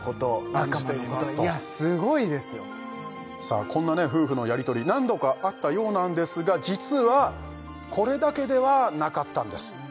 生きていますとさあこんなね夫婦のやり取り何度かあったようなんですが実はこれだけではなかったんです